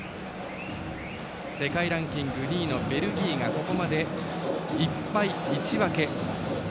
世界ランキング２位のベルギーがここまで１敗１分け。